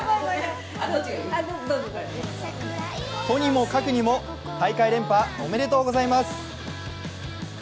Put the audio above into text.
とにもかくにも大会連覇、おめでとうございます。